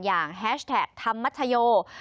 อย่างแฮชแท็กธรรมชโยย์